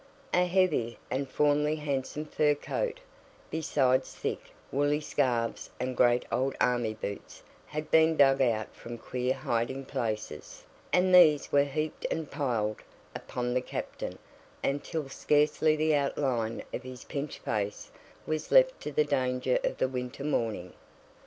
A heavy, and formerly handsome fur coat, besides thick, woolly scarfs and great old army boots had been dug out from queer hiding places, and these were heaped and piled upon the captain until scarcely the outline of his pinched face was left to the danger of the winter morning.